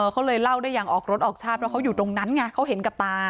เขาเลยเล่าได้อย่างออกรถออกชาติเพราะเขาอยู่ตรงนั้นไงเขาเห็นกับตา